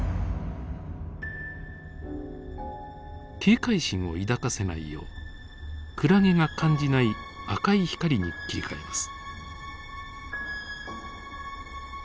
警戒心を抱かせないようクラゲが感じない赤い光に切り替えます。